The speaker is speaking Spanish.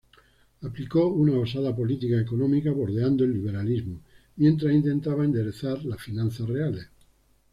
Aplicó una osada política económica, bordeando el liberalismo, mientras intentaba enderezar las finanzas reales.